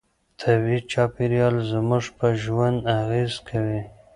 طبيعي چاپيريال زموږ په ژوند اغېز کوي.